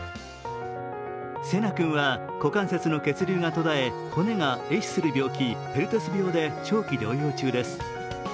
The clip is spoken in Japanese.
惺南君は股関節の血流が途絶え、骨がえ死する病気、ペルテス病で長期療養中です。